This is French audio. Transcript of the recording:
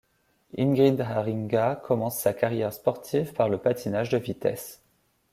Ingrid Haringa commence sa carrière sportive par le patinage de vitesse.